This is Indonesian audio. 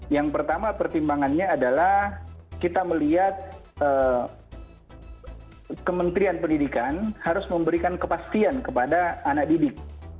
yang pertama pertimbangannya adalah kita melihat kementerian pendidikan harus memberikan kepastian kepada anak didik